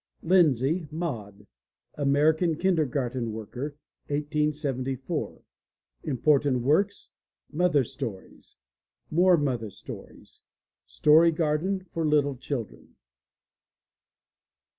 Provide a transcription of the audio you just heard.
LINDSAY, MAUD (American kindergarten worker, 1874 ) Important Works: Mother Stories. More Mother Stories. Story Garden for Little Children.